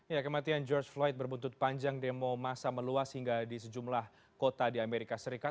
ya kematian george floyd berbuntut panjang demo masa meluas hingga di sejumlah kota di amerika serikat